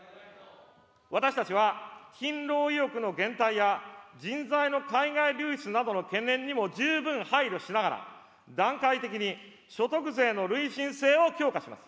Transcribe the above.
私たちは勤労意欲の減退や、人材の海外流出などの懸念にも十分配慮しながら、段階的に所得税の累進性を強化します。